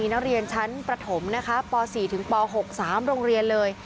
ก็ยังมีนักเรียนชั้นประถมป๔๖รงเรียนเลย